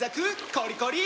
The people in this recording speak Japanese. コリコリ！